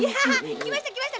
きましたきました！